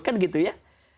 kan gitu ya